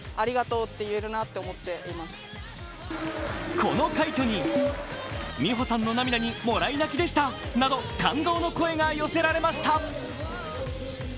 この快挙に、美帆さんの涙にもらい泣きでしたなど感動の声が寄せられました。